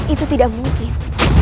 itu tidak mungkin